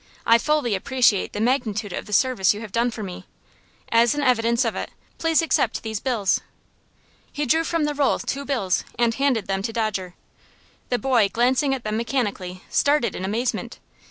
I fully appreciate the magnitude of the service you have done me. As an evidence of it, please accept these bills." He drew from the roll two bills and handed them to Dodger. The boy, glancing at them mechanically, started in amazement.